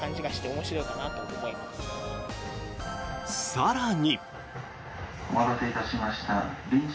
更に。